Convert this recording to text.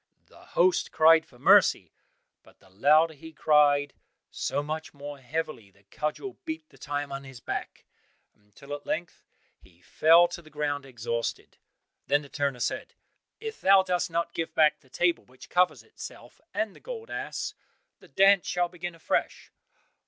The host cried for mercy; but the louder he cried, so much more heavily the cudgel beat the time on his back, until at length he fell to the ground exhausted. Then the turner said, "If thou dost not give back the table which covers itself, and the gold ass, the dance shall begin afresh."